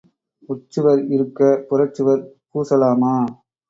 உட்சுவர் இருக்க, புறச்சுவர் பூசலாமா ?